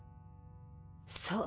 そう。